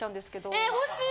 え欲しい！